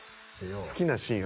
好きなシーン？